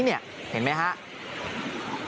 เห็นไหมครับ